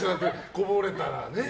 こぼれたらね。